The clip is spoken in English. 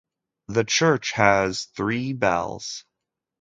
The church has three bells.